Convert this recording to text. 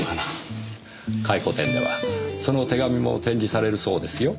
回顧展ではその手紙も展示されるそうですよ。